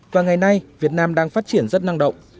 và ngày nay việt nam đang phát triển rất năng động